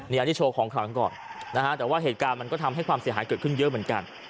อันนี้โชว์ของขลังก่อนนะฮะแต่ว่าเหตุการณ์มันก็ทำให้ความเสียหายเกิดขึ้นเยอะเหมือนกัน